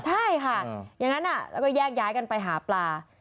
ใช่ค่ะอย่างนั้นแล้วก็แยกย้ายกันไปหาปลา